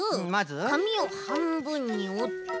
かみをはんぶんにおって。